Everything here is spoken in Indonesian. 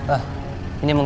ah ini dia